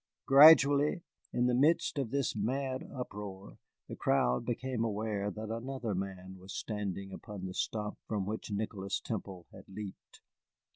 Gradually, in the midst of this mad uproar, the crowd became aware that another man was standing upon the stump from which Nicholas Temple had leaped.